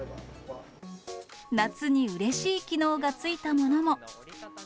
夏にうれしい機能が付いたものも。